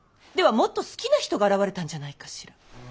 ではもっと好きな人が現れたんじゃないかしら。